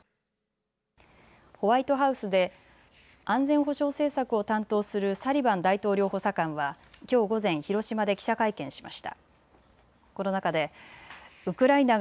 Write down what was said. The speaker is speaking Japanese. ホワイトハウスで安全保障政策を担当するサリバン大統領補佐官はきょう午前、広島で記者会見しました。